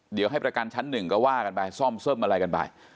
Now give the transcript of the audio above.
เดี๋ยวให้ประกันชั้นหนึ่งก็ว่ากันไปซ่อมเสิร์ฟอะไรกันไป